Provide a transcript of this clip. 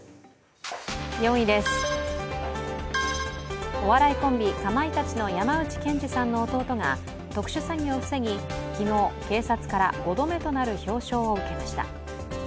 ４位です、お笑いコンビ、かまいたちの山内健司の弟が特殊詐欺を防ぎ、昨日警察から５度目となる表彰を受けました。